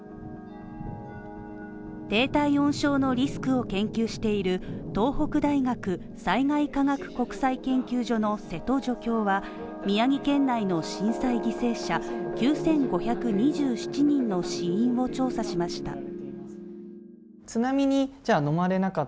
低体温症のリスクを研究している東北大学災害科学国際研究所の門廻助教は宮城県内の震災犠牲者９５２７人の死因を調査しました。